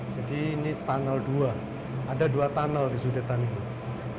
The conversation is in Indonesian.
jadi ini tunnel dua ada dua tunnel di sudut tanah ini